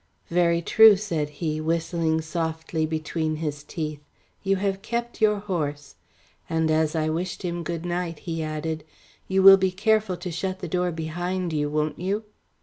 "Very true," said he, whistling softly between his teeth. "You have kept your horse," and as I wished him good night, he added, "you will be careful to shut the door behind you, won't you?"